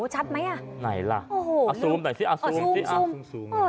ไหนล่ะไหนล่ะอ่าซูมหน่อยสิอ่าซูมอ่าซูม